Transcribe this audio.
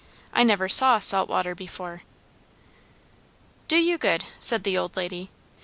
I never saw salt water before." "Do you good," said the old lady.